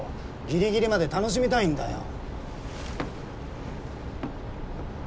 ギリギリまで楽しみたいんだよ。